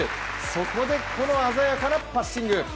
そこでこの鮮やかなパッシング。